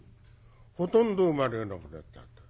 ほとんど生まれなくなっちゃった。